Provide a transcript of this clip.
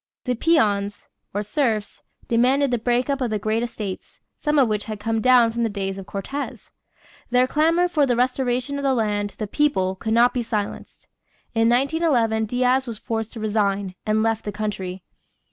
The peons, or serfs, demanded the break up of the great estates, some of which had come down from the days of Cortez. Their clamor for "the restoration of the land to the people could not be silenced." In 1911 Diaz was forced to resign and left the country.